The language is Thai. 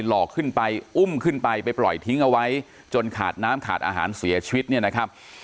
หลอกขึ้นไปอุ้มขึ้นไปไปปล่อยทิ้งเอาไว้จนขาดน้ำขาดอาหารเสียชีวิตเนี่ยนะครับ